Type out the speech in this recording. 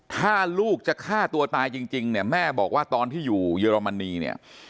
ถ้าลูกจะฆ่าตัวตายจริงเนี่ยแม่บอกว่าตอนที่อยู่เยอรมนีเนี่ย